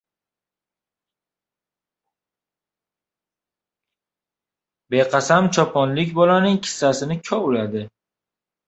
Beqasam choponlik bolaning kissasini kovladi.